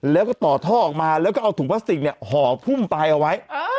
แล้วก็ต่อท่อออกมาแล้วก็เอาถุงพลาสติกเนี่ยห่อพุ่มปลายเอาไว้